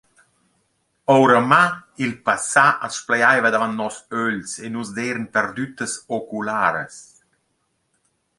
Ouramâ il passà as splajaiva davant noss ögls, e nus d’eiran perdüttas ocularas.